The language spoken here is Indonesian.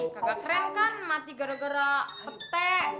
kagak keren kan mati gara gara pete